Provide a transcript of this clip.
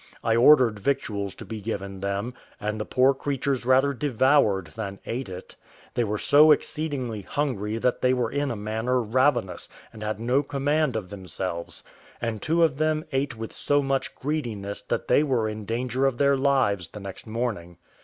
I ordered victuals to be given them, and the poor creatures rather devoured than ate it: they were so exceedingly hungry that they were in a manner ravenous, and had no command of themselves; and two of them ate with so much greediness that they were in danger of their lives the next morning.